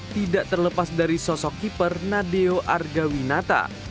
tidak terlepas dari sosok keeper nadeo argawinata